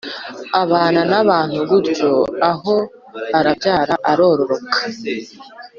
abana n’abantu gutyo, aho, arabyara, arororoka